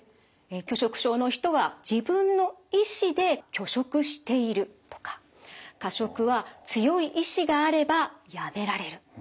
拒食症の人は「自分の意思で拒食している」とか「過食は強い意志があればやめられる」